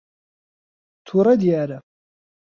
تووڕە دیارە.